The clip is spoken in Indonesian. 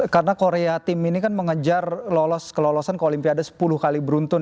karena korea tim ini kan mengejar kelelosan ke olimpiade sepuluh kali beruntun